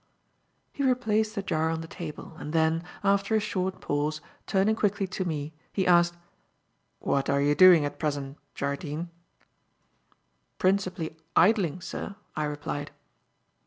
He replaced the jar on the table, and then, after a short pause, turning quickly to me, he asked: "What are you doing at present, Jardine?" "Principally idling, sir," I replied.